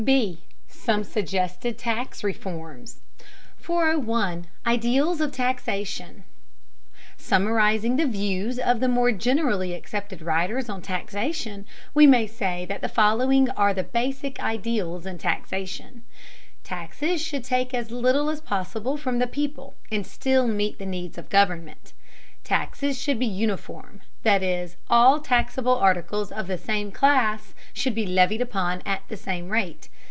B. SOME SUGGESTED TAX REFORMS 401. IDEALS OF TAXATION. Summarizing the views of the more generally accepted writers on taxation, we may say that the following are the basic ideals in taxation: Taxes should take as little as possible from the people and still meet the needs of government. Taxes should be uniform, that is, all taxable articles of the same class should be levied upon at the same rate.